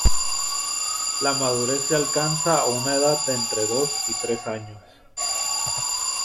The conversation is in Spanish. La madurez se alcanza a una edad de entre dos y tres años.